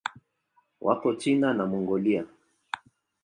Wako China na Mongolia.